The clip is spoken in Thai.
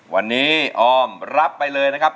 วันนี้ออมรับไปเลยนะครับ